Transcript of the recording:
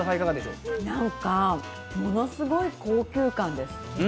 ものすごい高級感です。